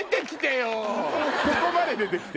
そこまで出てきて。